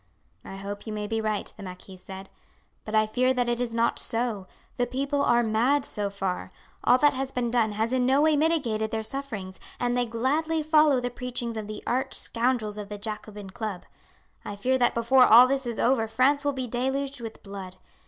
"I hope you may be right," the marquis said; "but I fear that it is not so. The people are mad so far. All that has been done has in no way mitigated their sufferings, and they gladly follow the preachings of the arch scoundrels of the Jacobin Club. I fear that before all this is over France will be deluged with blood.